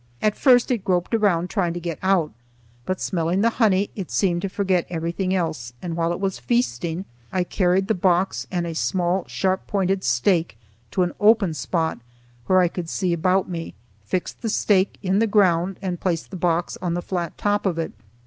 At first it groped around trying to get out, but, smelling the honey, it seemed to forget everything else, and while it was feasting I carried the box and a small sharp pointed stake to an open spot, where I could see about me, fixed the stake in the ground, and placed the box on the flat top of it.